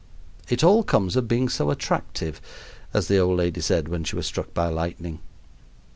It all comes of being so attractive, as the old lady said when she was struck by lightning.